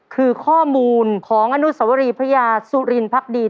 คือข้อมูลของอนุสวรีพระยาสุรินพักดี